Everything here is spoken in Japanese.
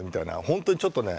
本当にちょっとね